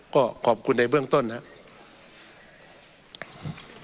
ก็ขอบคุณในเบื้องต้นนะครับ